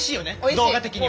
動画的には。